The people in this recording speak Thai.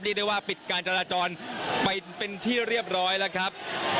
ได้ว่าปิดการจราจรไปเป็นที่เรียบร้อยแล้วครับ